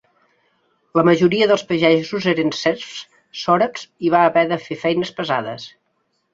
La majoria dels pagesos eren serfs sòrabs i va haver de fer feines pesades.